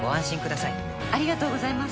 ありがとうございます。